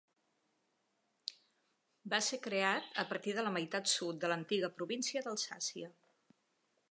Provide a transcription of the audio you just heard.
Va ser creat a partir de la meitat sud de l'antiga província d'Alsàcia.